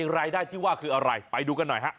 รายได้ที่ว่าคืออะไรไปดูกันหน่อยฮะ